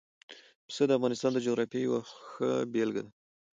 پسه د افغانستان د جغرافیې یوه ښه بېلګه ده.